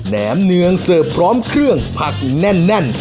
มเนืองเสิร์ฟพร้อมเครื่องผักแน่น